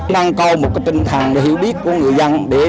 năng cao một cái tinh thần hiểu biết của người dân